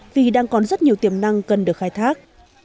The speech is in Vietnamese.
vì đang còn rất nhiều tiềm năng cần được khai thác